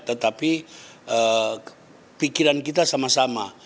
tetapi pikiran kita sama sama